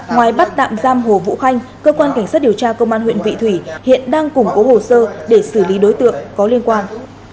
ngoài bắt tạm giam hồ vũ khanh cơ quan cảnh sát điều tra công an huyện vị thủy hiện đang củng cố hồ sơ để xử lý đối tượng có liên quan